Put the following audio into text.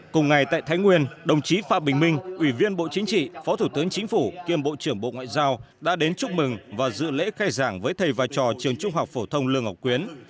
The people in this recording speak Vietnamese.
cùng ngày tại thái nguyên đồng chí phạm bình minh ủy viên bộ chính trị phó thủ tướng chính phủ kiêm bộ trưởng bộ ngoại giao đã đến chúc mừng và dự lễ khai giảng với thầy và trò trường trung học phổ thông lương ngọc quyến